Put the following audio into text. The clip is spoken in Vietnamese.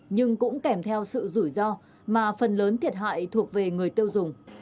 nhưng cũng kèm theo sự rủi ro mà phần lớn thiệt hại thuộc về người tiêu dùng